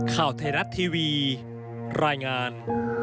ข่าวไทยรัฐทีวีรายงาน